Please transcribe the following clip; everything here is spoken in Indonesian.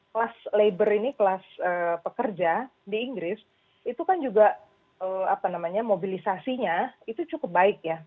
kelas labor ini kelas pekerja di inggris itu kan juga mobilisasinya itu cukup baik ya